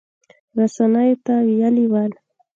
رسنیو ته ویلي ول